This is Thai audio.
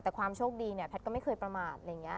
แต่ความโชคดีเนี่ยแพทย์ก็ไม่เคยประมาท